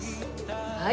はい。